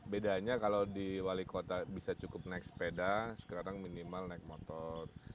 bedanya kalau di wali kota bisa cukup naik sepeda sekarang minimal naik motor